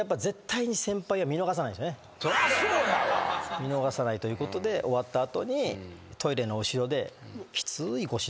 見逃さないということで終わった後にトイレの後ろで。